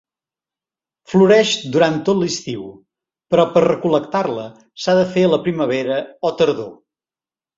Floreix durant tot l'estiu, però per recol·lectar-la s'ha de fer a la primavera o tardor.